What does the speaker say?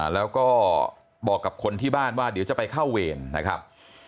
แล้วก็บอกกับคนที่บ้านว่าเดี๋ยวจะไปเข้าเวรนะครับ